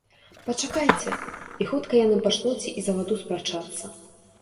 Пачакайце, і хутка яны пачнуць і за ваду спрачацца.